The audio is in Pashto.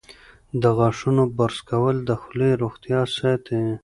د غاښونو برس کول د خولې روغتیا ساتي.